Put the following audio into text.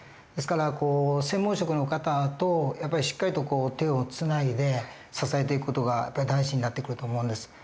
ですから専門職の方とやっぱりしっかりと手をつないで支えていく事が大事になってくると思うんです。